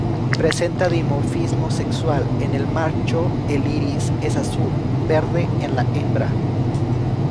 Presenta dimorfismo sexual: En el macho el iris es azul, verde en la hembra.